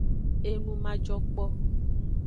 Enu majokpo.